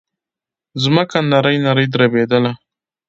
ځمکه نرۍ نرۍ دربېدله.